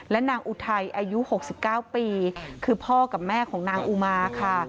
นางอุทัยอายุ๖๙ปีคือพ่อกับแม่ของนางอุมาค่ะ